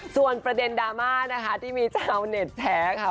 ส่วนประเด็นดราม่านะคะที่มีชาวเน็ตแพ้ค่ะ